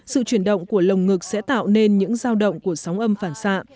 sự chuyển động của lồng ngực sẽ tạo nên những giao động của sóng âm phản xạ